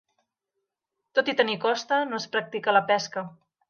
Tot i tenir costa, no es practica la pesca.